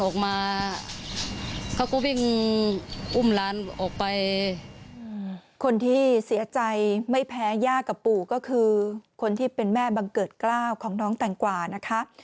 คนที่เสียใจไม่แพ้ย่ากับปู่ก็คือคนที่เป็นแม่บังเกิดกล้าวของน้องแตงกวานะคะ